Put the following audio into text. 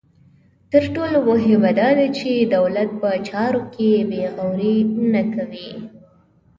تر ټولو مهمه دا ده چې دولت په چارو کې بې غوري نه کوي.